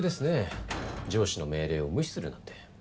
上司の命令を無視するなんて。